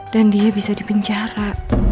dan dia bisa di penjara